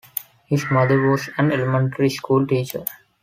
His mother was an elementary school teacher.